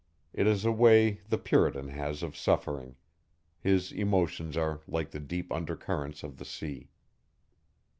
It is a way the Puritan has of suffering. His emotions are like the deep undercurrents of the sea.